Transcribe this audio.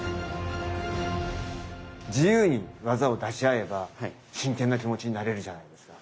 自由に技を出し合えば真剣な気持ちになれるじゃないですか。